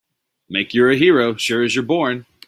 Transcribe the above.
Make you're a hero sure as you're born!